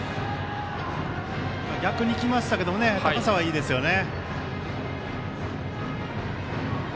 逆にきましたけど高さは、いいですよね。